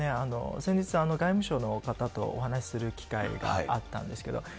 先日、外務省の方とお話しする機会があったんですけど。